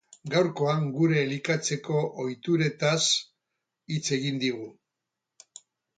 Gaurkoan gure elikatzeko ohituretaz hitz egin digu.